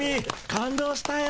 感動したよ。